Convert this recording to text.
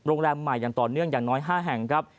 โรงแรมใหม่อย่างต่อเนื่องอย่างน้อย๕แห่งครับ